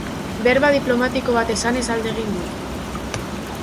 Berba diplomatiko bat esanez alde egin dut.